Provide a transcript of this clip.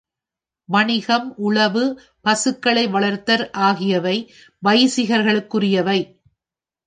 வணிகம், உழவு, பசுக்களை வளர்த்தல் ஆகியவை வைசியர்களுக்குரியவை.